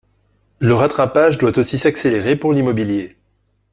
Le rattrapage doit aussi s’accélérer pour l’immobilier.